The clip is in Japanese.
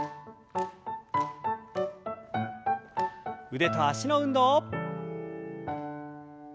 腕と脚の運動。